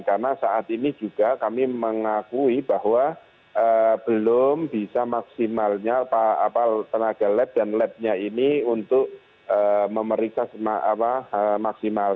karena saat ini juga kami mengakui bahwa belum bisa maksimalnya tenaga led dan lednya ini untuk memeriksa maksimal